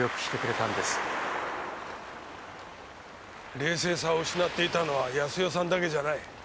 冷静さを失っていたのは康代さんだけじゃない。